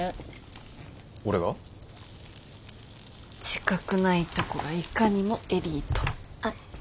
自覚ないとこがいかにもエリート。